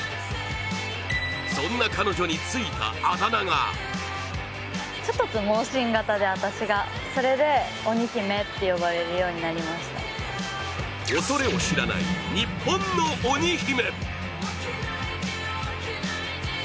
そんな彼女についたあだ名が恐れを知らない日本の鬼姫。